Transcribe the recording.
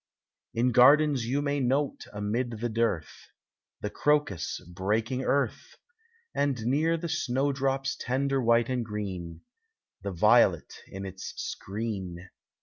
In gardens you may note amid the dearth. The crocus breaking earth ; And near the snowdrop's tender white and green. The violet in its screen.